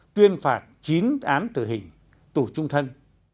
tuyên phạt chín án tử hình tù trung thân